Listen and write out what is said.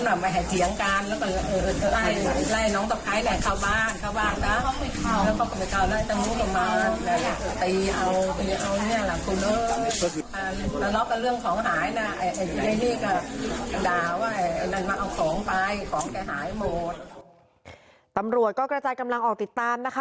ตำรวจก็กระจายกำลังออกติดตามนะคะ